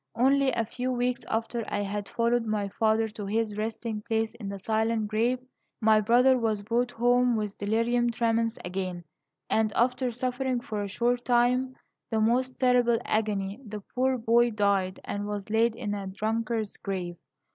Only a few weeks after I had followed my father to his resting place in the silent grave, my brother was brought home with delirium tremens again, and, after suffering for a short time the most terrible agony, the poor boy died, and was laid in a drunkard's grave.